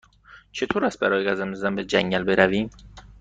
چطور است برای قدم زدن به جنگل برویم؟